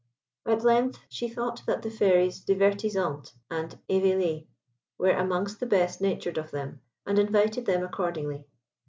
At length, she thought that the Fairies Divertisante and Eveillée were amongst the best natured of them, and invited them accordingly.